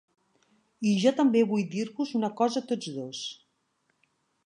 I jo també vull dir-vos una cosa a tots dos.